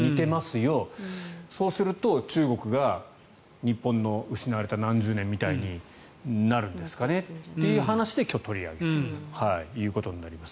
よそうすると中国が日本の失われた何十年みたいになるんですかねということでそういう話で今日、取り上げているということになります。